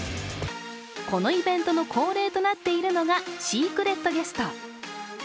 このイベントの恒例となっているのがシークレットゲスト。